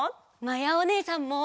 まやおねえさんも！